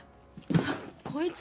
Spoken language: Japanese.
はっこいつ。